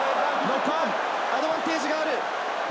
アドバンテージがある。